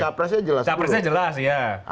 capresnya jelas capresnya jelas ya